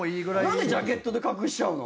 何でジャケットで隠しちゃうの？